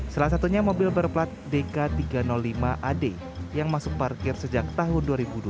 salah satunya mobil berplat dk tiga ratus lima ad yang masuk parkir sejak tahun dua ribu dua belas